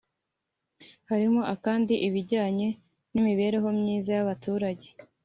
Harimo kandi ibijyanye n’imibereho myiza y’abaturage